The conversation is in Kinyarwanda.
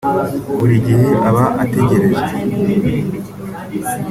Buri gihe aba ategereje